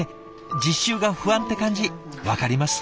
実習が不安って感じ分かります。